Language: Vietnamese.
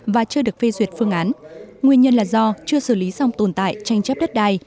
và chưa được phê duyệt phương án nguyên nhân là do chưa xử lý xong tồn tại tranh chấp đất đai